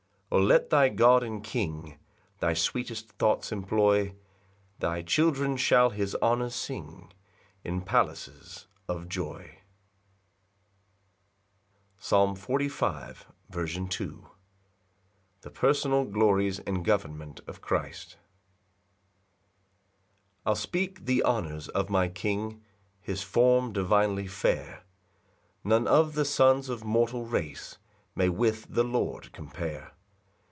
8 O let thy God and King Thy sweetest thoughts employ; Thy children shall his honours sing In palaces of joy. Psalm 45:2. C. M. The personal glories and government of Christ. 1 I'll speak the honours of my King, His form divinely fair; None of the sons of mortal race May with the Lord compare.